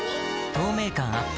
透明感アップ